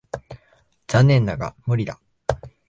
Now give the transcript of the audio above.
残念だが無理だ。